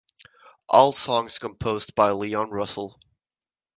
All songs composed by Leon Russell.